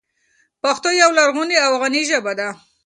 پښتو یوه لرغونې او غني ژبه ده.